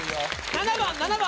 ７番７番！